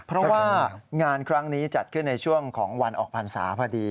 เพราะว่างานครั้งนี้จัดขึ้นในช่วงของวันออกพรรษาพอดี